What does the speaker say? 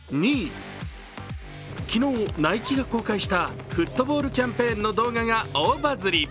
昨日、ＮＩＫＥが公開したフットボールキャンプペーンの動画が大バズリ。